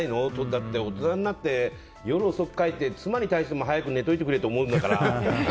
だって大人になって遅く帰って妻に対しても早く寝ておいてくれって思うわけだから。